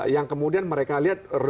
yang kemudian mereka lihat